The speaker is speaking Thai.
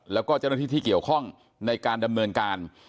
แล้วก็เจ้าหน้าที่ที่เกี่ยวข้องในการดำเนินการ